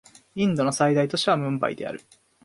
インドの最大都市はムンバイである